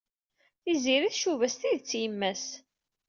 Tiziri tcuba s tidet yemma-s.